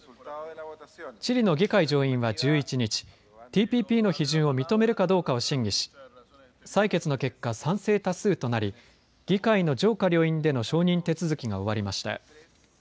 チリの議会上院は１１日、ＴＰＰの批准を認めるかどうかを審議し採決の結果、賛成多数となり議会の上下両院での承認手続きが終わりました。